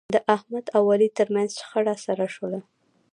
د احمد او علي ترمنځ شخړه سړه شوله.